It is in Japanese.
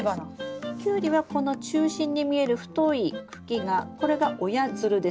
キュウリはこの中心に見える太い茎がこれが親づるです。